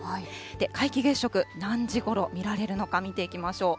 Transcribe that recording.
皆既月食、何時ごろ見られるのか、見ていきましょう。